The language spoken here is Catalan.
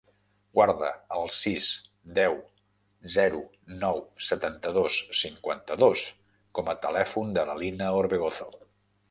Guarda el sis, deu, zero, nou, setanta-dos, cinquanta-dos com a telèfon de la Lina Orbegozo.